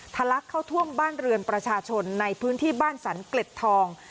ลักเข้าท่วมบ้านเรือนประชาชนในพื้นที่บ้านสรรเกล็ดทอง